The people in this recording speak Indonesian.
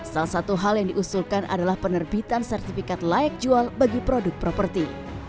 salah satu hal yang diusulkan adalah penerbitan sertifikat layak jual bagi produk properti